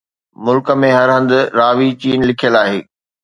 ملڪ ۾ هر هنڌ راوي چين لکيل آهي